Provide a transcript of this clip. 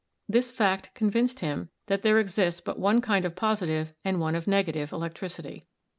This fact convinced him that there exists but one kind of positive and one of negative electricity.